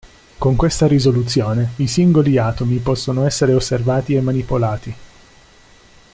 Con questa risoluzione, i singoli atomi possono essere osservati e manipolati.